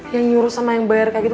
yang nyuruh sama yang bayar kayak gitu